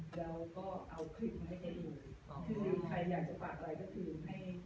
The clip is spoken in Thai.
แล้วก็เอาคลิปให้ให้ดูคือใครอยากจะปากอะไรก็คือให้เป็นส่วนมาก